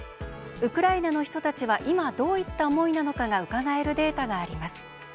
ウクライナの人たちは今、どういった思いなのかがうかがえるデータがあります。